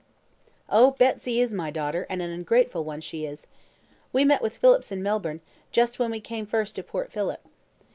"Oh, Betsy is my daughter, and an ungrateful one she is. We met with Phillips in Melbourne, just when we came first to Port Philip.